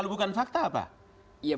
kalau bukan fakta apa